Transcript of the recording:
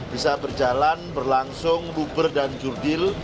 bisa berjalan berlangsung luber dan jurdil